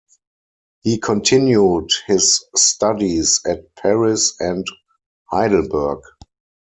He continued his studies at Paris and Heidelberg.